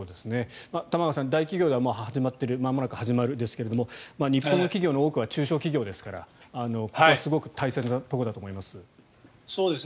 玉川さん、大企業ではもう始まっているまもなく始まるですが日本の企業の多くは中小企業ですからここはすごく大切なところだと思います。